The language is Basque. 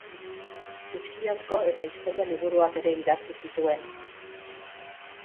Fikziozko eta historia liburuak ere idatzi zituen.